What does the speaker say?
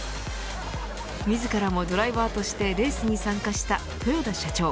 自らもドライバーとしてレースに参加した豊田社長。